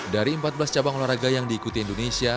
dari empat belas cabang olahraga yang diikuti indonesia